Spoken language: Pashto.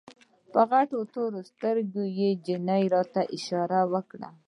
په غټو تورو سترګو يې نجلۍ ته اشاره وکړه.